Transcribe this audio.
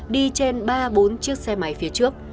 đi trên ba bốn chiếc xe máy phía trước